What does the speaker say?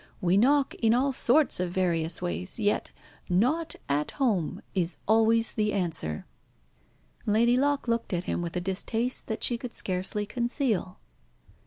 We knock in all sorts of various ways. Yet 'not at home' is always the answer." Lady Locke looked at him with a distaste that she could scarcely conceal.